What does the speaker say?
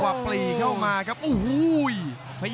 กรรมการเตือนทั้งคู่ครับ๖๖กิโลกรัม